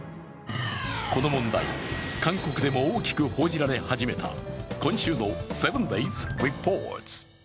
この問題、韓国でも大きく報じられ始めた今週の「７ｄａｙｓリポート」。